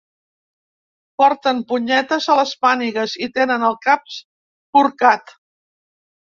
Porten punyetes a les mànigues i tenen el cap corcat.